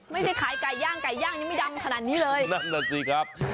ไม่ได้ขายไก่ย่างไก่ย่างยังไม่ดำขนาดนี้เลย